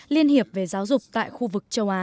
liên hiệp về giáo dục tại khu vực châu á